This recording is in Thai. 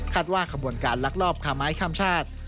คัดว่าขบวนการรักรอบขาไม้ข้ามชาติ